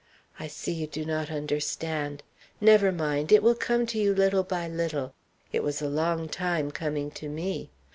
I see you do not understand: never mind; it will come to you little by little. It was a long time coming to me.